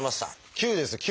９です９。